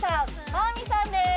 まぁみさんです